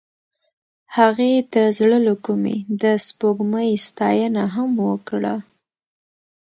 هغې د زړه له کومې د سپوږمۍ ستاینه هم وکړه.